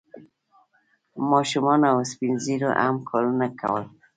ماشومانو او سپین ږیرو هم کارونه کول.